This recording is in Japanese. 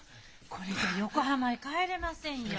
これじゃ横浜へ帰れませんよ。